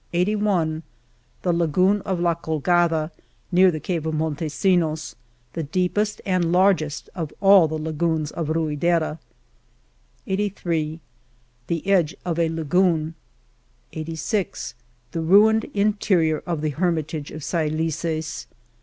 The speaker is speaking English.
80 The lagoon of La Colgada, near the cave of Montesi nos, the deepest and largest of all the lagoons of Ruidera, 81 The edge of a lagoon, 8s The ruined interior of the hermitage of Saelices